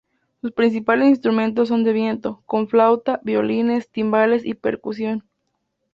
Sus principales instrumentos son de viento, con flauta, violines, timbales y percusión.